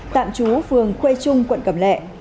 tạm trú phường khuê trung quận cầm lệ